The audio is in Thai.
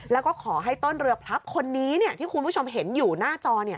แล้วก็ขอให้ต้นเรือพลับคนนี้ที่คุณผู้ชมเห็นอยู่หน้าจอ